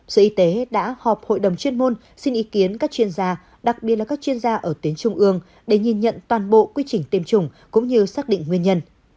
sở y tế đã họp hội đồng chuyên môn xin ý kiến các chuyên gia đặc biệt là các chuyên gia ở tuyến trung ương để nhìn nhận toàn bộ quy trình tiêm chủng cũng như xác định nguyên nhân